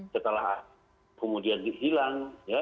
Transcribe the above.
setelah kemudian hilang